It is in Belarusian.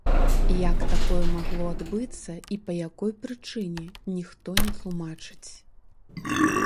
Як такое магло адбыцца і па якой прычыне, ніхто не тлумачыць.